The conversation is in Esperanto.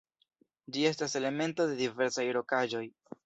Ĝi estas elemento de diversaj rokaĵoj.